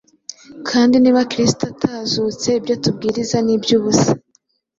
kandi niba kristo atazutse ibyo tubwiriza ni iby’ubusa,